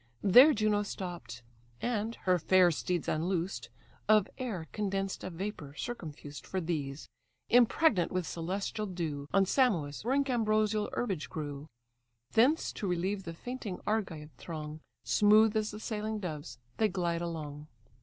There Juno stopp'd, and (her fair steeds unloosed) Of air condensed a vapour circumfused: For these, impregnate with celestial dew, On Simois' brink ambrosial herbage grew. Thence to relieve the fainting Argive throng, Smooth as the sailing doves they glide along.